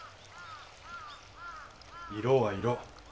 色は色。